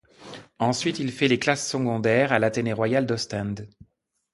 Ensuite, il fait les classes secondaires à l'Athénée royal d'Ostende.